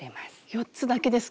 ４つだけですか？